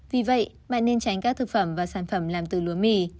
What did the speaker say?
vì vậy bạn nên tránh các thực phẩm và sản phẩm làm từ lúa mì